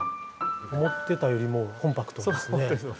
思ってたよりもコンパクトですね。